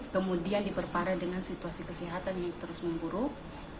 kemudian diperparah dengan situasi kesehatan yang terus memburuk